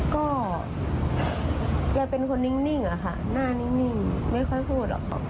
ก็แกเป็นคนนิ่งอะค่ะหน้านิ่งไม่ค่อยพูดหรอกค่ะ